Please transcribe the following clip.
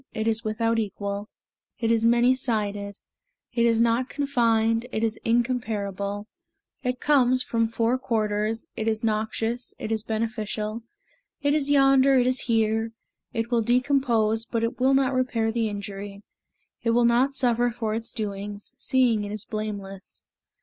It is without equal, It is many sided; It is not confined, It is incomparable; It comes from four quarters; It is noxious, it is beneficial; It is yonder, it is here; It will decompose, But it will not repair the injury; It will not suffer for its doings, Seeing it is blameless.